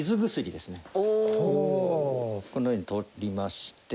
このように取りまして